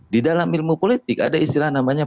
di dalam ilmu politik ada istilah namanya